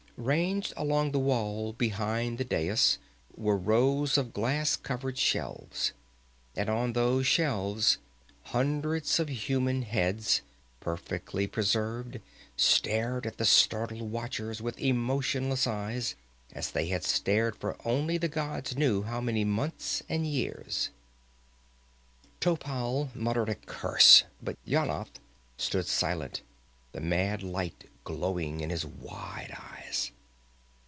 Ranged along the wall behind the dais were rows of glass covered shelves. And on those shelves hundreds of human heads, perfectly preserved, stared at the startled watchers with emotionless eyes, as they had stared for only the gods knew how many months and years. Topal muttered a curse, but Yanath stood silent, the mad light growing in his wide eyes.